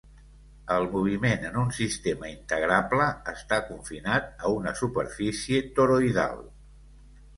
El moviment en un sistema integrable està confinat a una superfície toroidal.